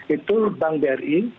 itu bank bri